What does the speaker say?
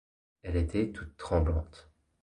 Elle était toute tremblante.